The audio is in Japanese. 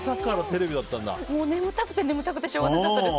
眠たくてしょうがなかったです。